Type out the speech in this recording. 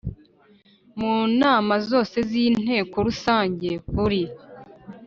Mu nama zose z inteko rusange buri